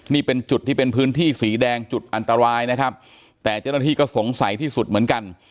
นี่เป็นจุดที่เป็นพื้นที่สีแดงจุดอันตรายนะครับแต่เจ้าหน้าที่ก็สงสัยที่สุดเหมือนกัน